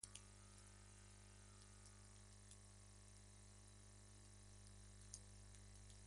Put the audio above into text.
Al final del evento, se ubicó dentro del grupo de ocho finalistas.